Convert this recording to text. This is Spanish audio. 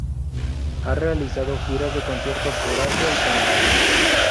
Ha realizado giras de conciertos por Asia y Canadá.